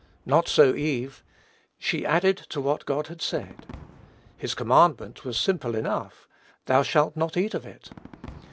Not so Eve. She added to what God had said. His command was simple enough, "Thou shalt not eat of it."